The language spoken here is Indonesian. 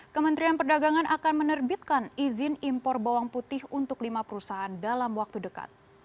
kementerian perdagangan akan menerbitkan izin impor bawang putih untuk lima perusahaan dalam waktu dekat